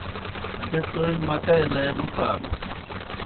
بیْہ تومیْ مکئی لے مُتانَس۔